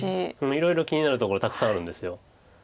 いろいろ気になるところたくさんあるんです。